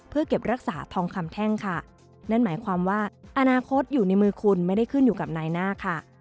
เพื่อเก็บรักษาทองคำแท่งค่ะนั่นหมายความว่าอนาคตอยู่ในมือคุณไม่ได้ขึ้นอยู่กับนายหน้าค่ะ